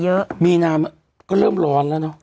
แล้วปีนี้มีน้ำก็เริ่มร้อนแล้วเนอะ